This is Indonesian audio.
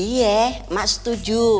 iya emak setuju